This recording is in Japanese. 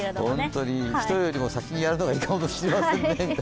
本当に人よりも先にやるのがいいかもしれません。